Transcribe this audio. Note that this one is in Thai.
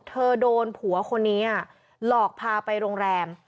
เธอโดนผัวคนนี้หลอกพาไปโรงแรม